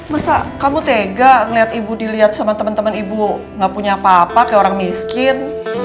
masa kamu tega ngeliat ibu dilihat sama teman teman ibu gak punya apa apa kayak orang miskin